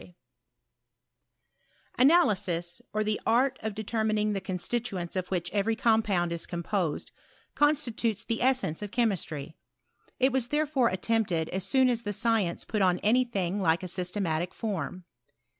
I I Analysis, or the art of determining the con stituents of which every compound is composed, constitutes the essence of chemistry : it was there fore Attempted as soon as the science put on any thing like a systematic form.